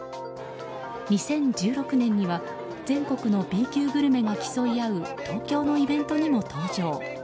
２０１６年には全国のＢ級グルメが競い合う東京のイベントにも登場。